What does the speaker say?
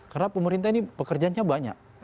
karena pemerintah ini pekerjaannya banyak